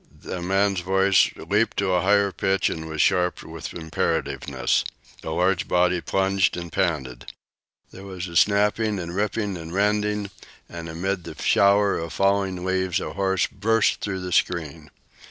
The man's voice leaped to a higher pitch and was sharp with imperativeness. A large body plunged and panted. There was a snapping and ripping and rending, and amid a shower of falling leaves a horse burst through the screen.